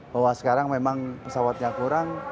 bahwa sekarang memang pesawatnya kurang